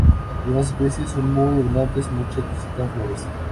Algunas especies son muy abundantes; muchas visitan flores.